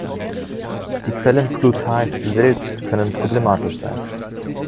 Die Quellen Plutarchs selbst können problematisch sein.